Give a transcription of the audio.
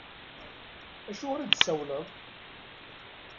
Acuɣeṛ i d-tsawleḍ?